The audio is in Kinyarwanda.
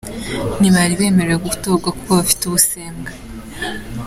ntibari bemerewe gutorwa kuko bafite ubusembwa,.